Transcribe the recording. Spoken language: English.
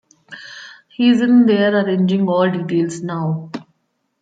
He's in there arranging all the details now.